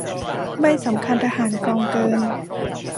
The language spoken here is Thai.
ใบสำคัญทหารกองเกิน